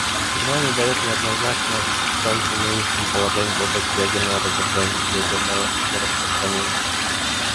Германия дает неоднозначную оценку нынешнему положению в области ядерного разоружения и ядерного нераспространения.